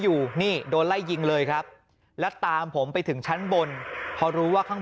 อยู่นี่โดนไล่ยิงเลยครับแล้วตามผมไปถึงชั้นบนพอรู้ว่าข้าง